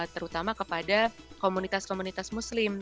terutama kepada komunitas komunitas muslim